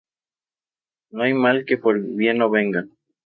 No hay mal que por bien no venga